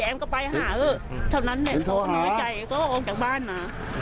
แอ้มก็ไปหาเถอะเท่านั้นแม่ก็ไม่ไหวใจก็ออกจากบ้านอ่ะ